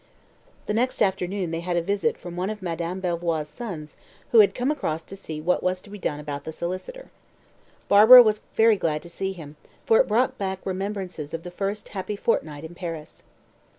The next afternoon they had a visit from one of Madame Belvoir's sons, who had come across to see what was to be done about the "solicitor." Barbara was very glad to see him, for it brought back remembrances of the first happy fortnight in Paris.